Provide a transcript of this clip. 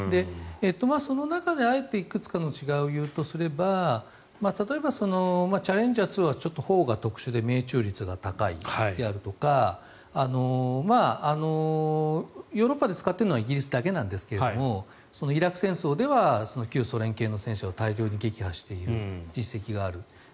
その中であえていくつかの違いを言うとすれば例えばチャレンジャー２はちょっと砲が特殊で命中率が高いであるとかヨーロッパで使っているのはイギリスだけなんですがイラク戦争では旧ソ連系の戦車を大量に撃破している実績がある。